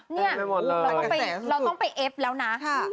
เนี่ยเราต้องไปเอฟแล้วนะ